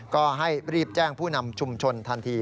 ก็ให้รีบแจ้งผู้นำชุมชนทันที